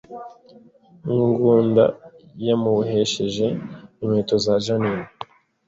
Ngunda yamubohesheje inkweto za Jeaninne